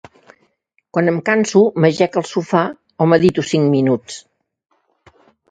Quan em canso, m'ajec al sofà o medito cinc minuts.